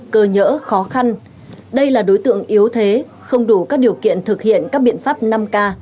cơ nhỡ khó khăn đây là đối tượng yếu thế không đủ các điều kiện thực hiện các biện pháp năm k